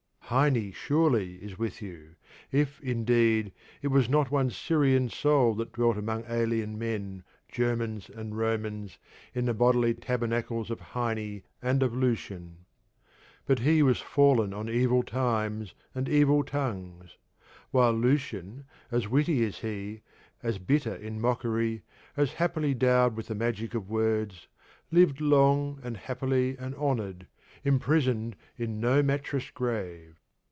Heine surely is with you; if, indeed, it was not one Syrian soul that dwelt among alien men, Germans and Romans, in the bodily tabernacles of Heine and of Lucian. But he was fallen on evil times and evil tongues; while Lucian, as witty as he, as bitter in mockery, as happily dowered with the magic of words, lived long and happily and honoured, imprisoned in no 'mattress grave.'